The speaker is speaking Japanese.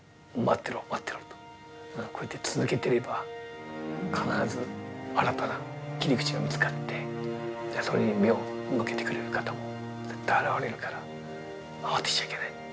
「こうやって続けてれば必ず新たな切り口が見つかってそれに目を向けてくれる方も絶対現れるから慌てちゃいけない！